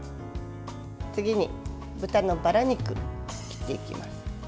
次に豚のバラ肉を切っていきます。